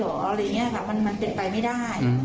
อะไรอย่างเงี้ยค่ะมันมันเป็นไปไม่ได้อืม